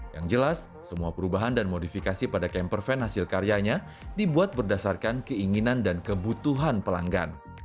yang jelas semua perubahan dan modifikasi pada camper van hasil karyanya dibuat berdasarkan keinginan dan kebutuhan pelanggan